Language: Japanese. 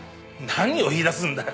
何を言い出すんだ。